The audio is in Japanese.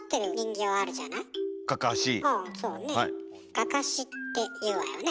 「かかし」っていうわよね。